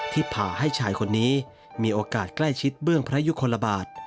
ผ่าให้ชายคนนี้มีโอกาสใกล้ชิดเบื้องพระยุคลบาท